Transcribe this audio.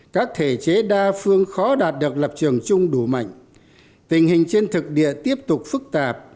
các thể chế đa phương khó đạt được lập trường chung đủ mạnh tình hình trên thực địa tiếp tục phức tạp